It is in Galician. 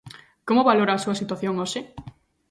Como valora a súa situación hoxe?